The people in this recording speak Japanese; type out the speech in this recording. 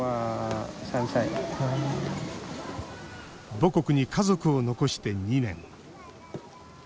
母国に家族を残して２年。